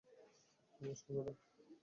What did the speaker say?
নমস্কার, ম্যাডাম।